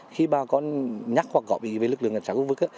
khi bà con nhắc hoặc gọi ý về lực lượng ngành xã quốc vực